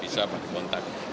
bisa pak di kontak